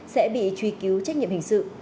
sẽ bị truy cứu trách nhiệm hình sự